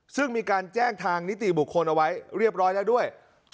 ซึ่งมีการแจ้งทางนิติบุคคลเอาไว้เรียบร้อยแล้วด้วย